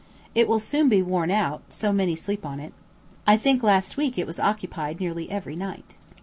It will soon be worn out, so many sleep on it. I think last week it was occupied nearly every night.